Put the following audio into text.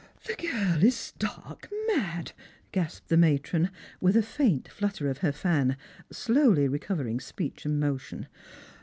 " The girl is stark mad !" gasped the matron, with a famt flutter of her fan, slowly recovering speech and motion.